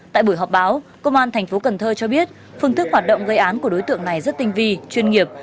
tại buổi họp báo công an thành phố cần thơ cho biết phương thức hoạt động gây án của đối tượng này rất tinh vi chuyên nghiệp